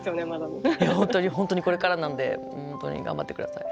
いや本当に本当にこれからなんで本当に頑張って下さい。